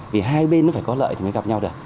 vì hai bên nó phải có lợi thì mới gặp nhau được